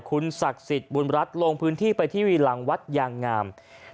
คุณสักกสิทธิ์บุรัสลงพื้นที่ไปที่วีรังวัดอย่างงาม